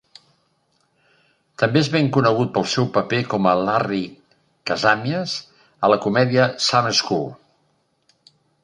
També és ben conegut pel seu paper com a Larry Kazamias a la comèdia "Summer school".